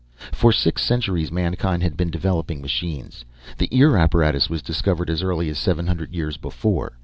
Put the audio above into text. For six centuries mankind had been developing machines. The Ear apparatus was discovered as early as seven hundred years before.